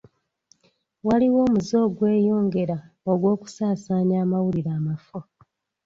Waliwo omuze ogweyongera ogw'okusaasaanya amawulire amafu.